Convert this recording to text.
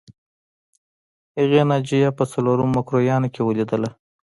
هغې ناجیه په څلورم مکروریانو کې ولیدله